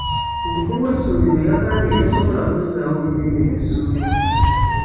Omukulu w'essomero yagambye tasobola kuzzaawo bizimbe bya ssomero.